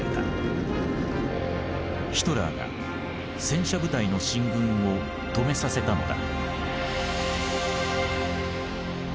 ヒトラーが戦車部隊の進軍を止めさせたのだ。